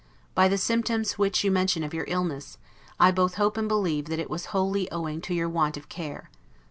By the symptoms which you mention of your illness, I both hope and believe that it was wholly owing to your own want of care.